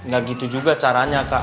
gak gitu juga caranya kak